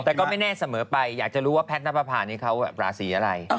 แต่ก็ไม่แน่เสมอไปอยากจะรู้ว่าแพทย์นับประพานี่เขาแบบราศีอะไร